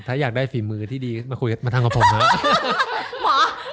ถ้าอยากได้ฝีมือที่ดีมาคุยกับหมอแอร์